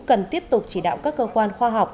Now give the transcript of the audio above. cần tiếp tục chỉ đạo các cơ quan khoa học